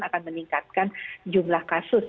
akan meningkatkan jumlah kasus